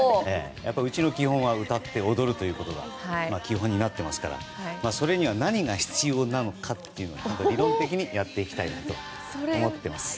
うちの基本は歌って踊ることが基本になっていますからそれには何が必要なのかというのを理論的にやっていきたいと思ってます。